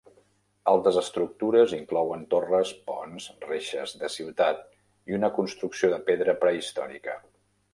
Altres estructures inclouen torres, ponts, reixes de ciutat i una construcció de pedra prehistòrica.